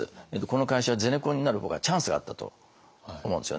この会社はゼネコンになる方がチャンスがあったと思うんですよね。